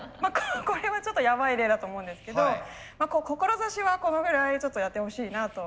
これはちょっとやばい例だと思うんですけど志はこのぐらいちょっとやってほしいなと。